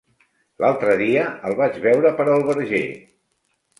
L'altre dia el vaig veure per el Verger.